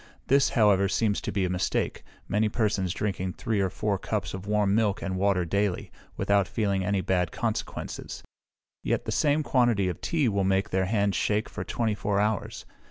This, however, seems to be a mistake, many persons drinking three or four cups of warm milk and water daily, without feeling any bad consequences; yet the same quantity of tea will make their hands shake for twenty four hours.